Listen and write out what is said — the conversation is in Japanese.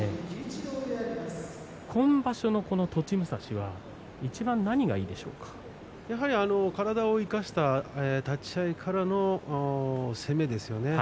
今場所の栃武蔵はいちばん何が体を生かした立ち合いからの攻めですよね。